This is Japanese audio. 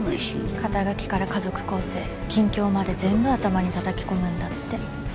肩書から家族構成近況まで全部頭にたたき込むんだって。